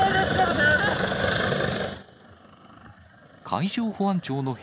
海上保安庁です。